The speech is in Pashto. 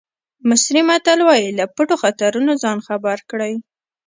مصري متل وایي له پټو خطرونو ځان خبر کړئ.